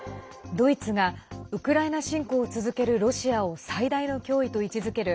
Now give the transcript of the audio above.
ドイツがウクライナ侵攻を続けるロシアを最大の脅威と位置づける